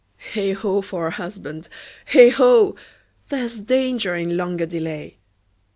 Heigh ho! for a husband! Heigh ho! There's danger in longer delay!